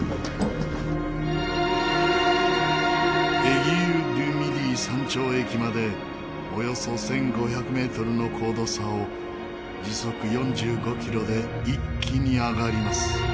エギーユ・デュ・ミディ山頂駅までおよそ１５００メートルの高度差を時速４５キロで一気に上がります。